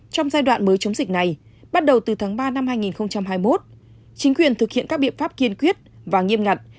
trong giai đoạn mới chống dịch này bắt đầu từ tháng ba năm hai nghìn hai mươi một chính quyền thực hiện các biện pháp kiên quyết và nghiêm ngặt